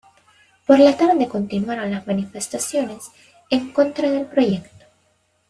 Por la tarde continuaron las manifestaciones en contra del proyecto.